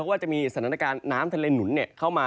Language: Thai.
ในสถานการณ์น้ำทะเลหนุนเนี่ยเข้ามา